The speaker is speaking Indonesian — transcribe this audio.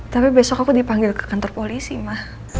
tapi besok aku dipanggil ke kantor polisi mah